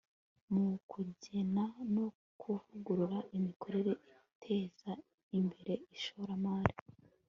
mu kugena no kuvugurura imikorere iteza imbere ishoramari